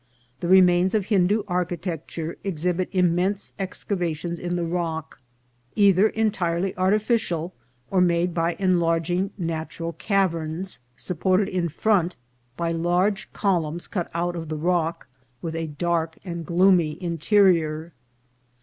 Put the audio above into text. The remains of Hindu architecture exhibit im mense excavations in the rock, either entirely artificial or made by enlarging natural caverns, supported in front by large columns cut out of the rock, with a dark and gloomy interior.